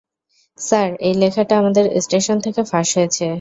Sir, এই লেখাটা আমাদের স্টেশন থেকে ফাঁস হয়েছে।